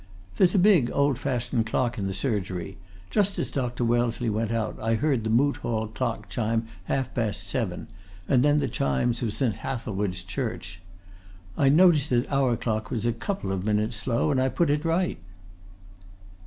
"There's a big, old fashioned clock in the surgery. Just as Dr. Wellesley went out I heard the Moot Hall clock chime half past seven, and then the chimes of St. Hathelswide's Church. I noticed that our clock was a couple of minutes slow, and I put it right."